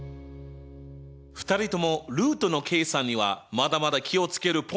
２人ともルートの計算にはまだまだ気を付けるポイントがあるんだぜ！